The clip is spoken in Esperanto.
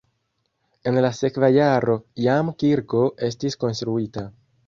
En la sekva jaro jam kirko estis konstruita.